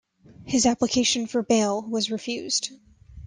His application for bail was refused.